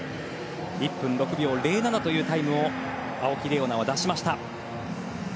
１分６秒０７というタイムを青木玲緒樹は出しました。